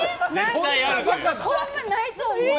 ほんま、ないと思う。